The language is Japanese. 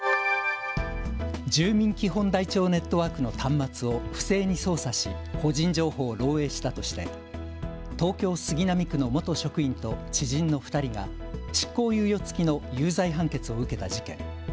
住民基本台帳ネットワークの端末を不正に操作し個人情報を漏えいしたとして東京杉並区の元職員と知人の２人が執行猶予付きの有罪判決を受けた事件。